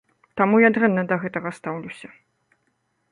Таму я дрэнна да гэтага стаўлюся.